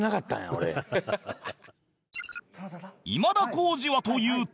今田耕司はというと